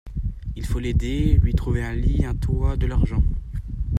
Il faut l'aider, lui trouver un lit, un toit, de l'argent.